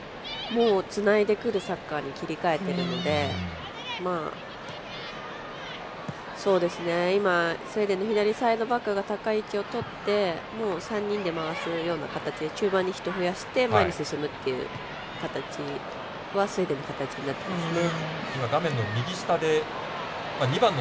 つないでくるサッカーに切り替えてるので今、スウェーデンの左サイドバックが高い位置をとっても３人で回すような形で中盤に人増やして前に進むっていう形はスウェーデンの形になっていますね。